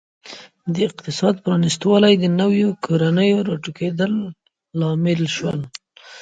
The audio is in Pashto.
د اقتصاد پرانیستوالی د نویو کورنیو راټوکېدل لامل شول.